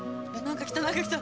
何か来た。